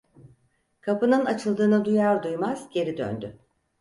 Kapının açıldığını duyar duymaz geri döndü.